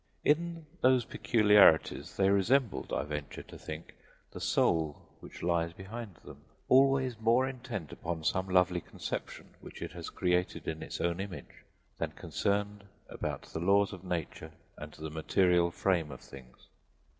In those peculiarities they resembled, I venture to think, the soul which lies behind them, always more intent upon some lovely conception which it has created in its own image than concerned about the laws of nature and the material frame of things.